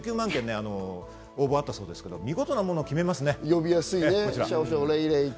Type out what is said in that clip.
１９万件応募があったそうですけど見事なものに決めましたね。